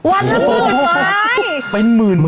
วันหนึ่งหมื่นไม้